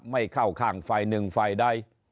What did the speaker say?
ไม่เข้าข้างไฟหนึ่งไฟใด